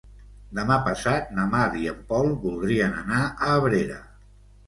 Demà passat na Mar i en Pol voldrien anar a Abrera.